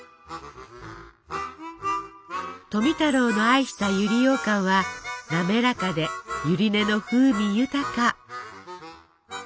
富太郎の愛した百合ようかんはなめらかでゆり根の風味豊か。